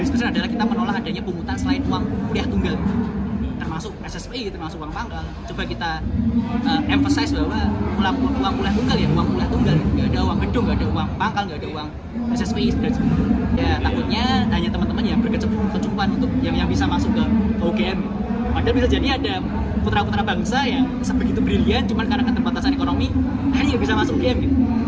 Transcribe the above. padahal bisa jadi ada putra putra bangsa yang sebegitu brilian cuma karena keterbatasan ekonomi hanya bisa masuk ugm